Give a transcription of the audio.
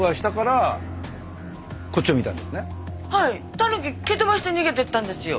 たぬき蹴飛ばして逃げていったんですよ。